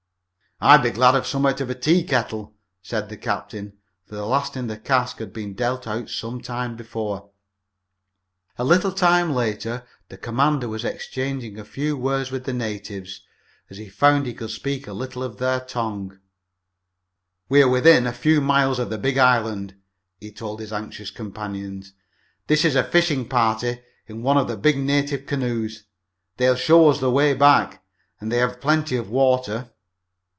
"I'd be glad of some out of a tea kettle," said the captain, for the last in the cask had been dealt out some time before. A little later the commander was exchanging a few words with the natives, as he found he could speak a little of their language. "We're within a few miles of the big island," he told his anxious companions. "This is a fishing party in one of their big native canoes. They'll show us the way back, and they have plenty of water."